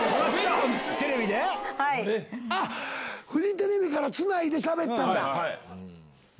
フジテレビからつないでしゃべったんだ。